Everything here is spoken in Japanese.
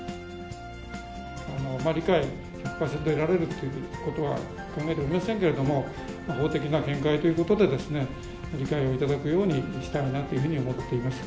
理解を１００％得られるということは考えておりませんけれども、法的な見解ということで、理解をいただくようにしたいなというふうに思っています。